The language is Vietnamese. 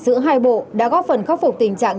giữa hai bộ đã góp phần khắc phục tình trạng